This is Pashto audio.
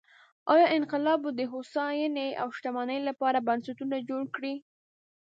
ایا انقلاب به د هوساینې او شتمنۍ لپاره بنسټونه جوړ کړي؟